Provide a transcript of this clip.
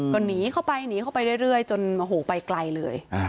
ก็หนีเข้าไปหนีเข้าไปเรื่อยจนโอ้โหไปไกลเลย